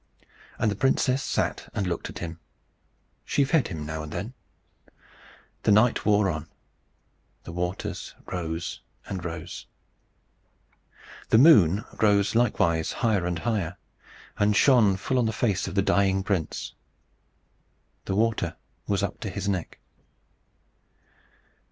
And the princess sat and looked at him. She fed him now and then. The night wore on. The waters rose and rose. The moon rose likewise higher and higher, and shone full on the face of the dying prince. The water was up to his neck.